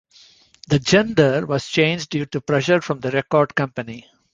The gender was changed due to pressure from the record company.